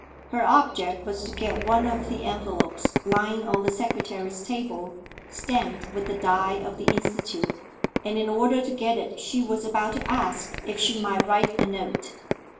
Her object was to get one of the envelopes lying on the secretary's table, stamped with the die of the Institute; and in order to get it she was about to ask if she might write a note.